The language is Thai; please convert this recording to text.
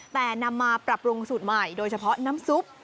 แต่นำมาปรับปรุงสูตรใหม่โดยเฉพาะน้ำซุป